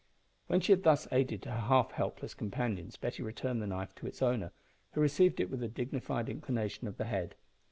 When she had thus aided her half helpless companions, Betty returned the knife to its owner, who received it with a dignified inclination of the head.